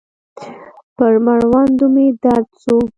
پر مړوندو مې درد سو.